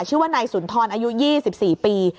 ชื่อว่านายสุนทรอายุ๒๔ปี